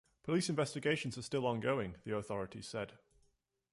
Police investigations are still ongoing, the authorities said.